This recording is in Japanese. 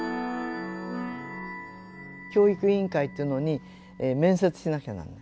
教育委員会っていうのに面接しなきゃならない。